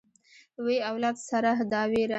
وي اولاد سره دا وېره